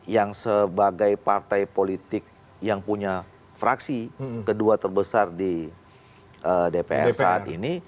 yang sebagai partai politik yang punya fraksi kedua terbesar di dpr saat ini